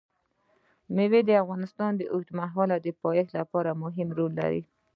مېوې د افغانستان د اوږدمهاله پایښت لپاره مهم رول لري.